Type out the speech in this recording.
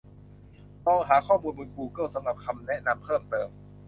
ลองหาข้อมูลบนกูเกิ้ลสำหรับคำแนะนำเพิ่มเติม